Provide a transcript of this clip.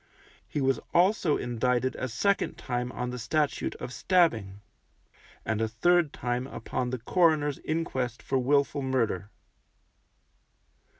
He was also indicted a second time on the Statute of Stabbing, and a third time upon the coroner's inquest for wilful murder.